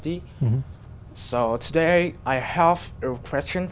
tôi có một câu hỏi cho các quý vị